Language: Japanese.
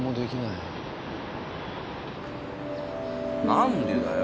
何でだよ！